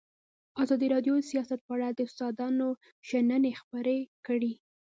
ازادي راډیو د سیاست په اړه د استادانو شننې خپرې کړي.